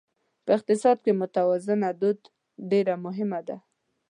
په اقتصاد کې متوازنه وده ډېره مهمه ده.